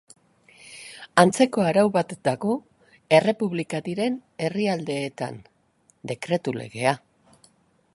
Antzeko arau bat dago Errepublika diren herrialdeetan: Dekretu Legea.